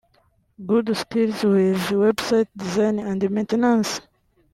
Good skills with website design and maintenance